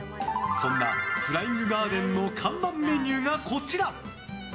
そんなフライングガーデンの看板メニューがこちら！